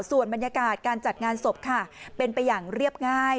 ส่วนบรรยากาศการจัดงานศพค่ะเป็นไปอย่างเรียบง่าย